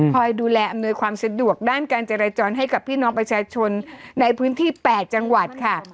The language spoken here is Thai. คอยดูแลอำนวยความสะดวกด้านการจราจรให้กับพี่น้องประชาชนในพื้นที่๘จังหวัดค่ะ